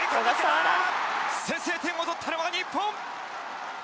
先制点を取ったのは日本！